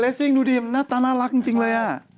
เรซิ่งดูดิหน้าตาน่ารักจริงเลยอ่ะ